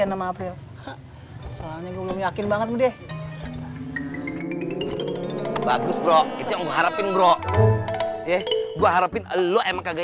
nama april soalnya gua yakin banget deh bagus bro itu harapin bro ya gua harapin lo emang kagak